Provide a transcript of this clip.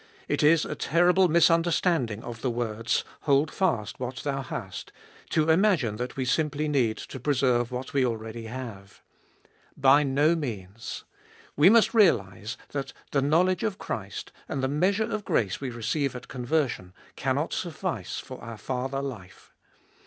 It is a terrible misunderstanding of the words, " Hold fast what thou hast," to imagine that we simply need to preserve what we already have. By no means. We must realise that the know ledge of Christ and the measure of grace we receive at conversion cannot suffice for our farther life.